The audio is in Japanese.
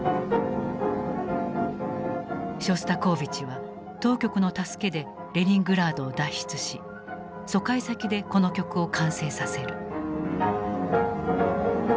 ショスタコーヴィチは当局の助けでレニングラードを脱出し疎開先でこの曲を完成させる。